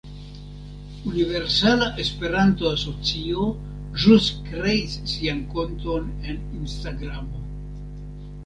Universala Esperanto-Asocio ĵus kreis sian konton en Instagramo.